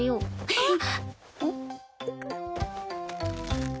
えっ！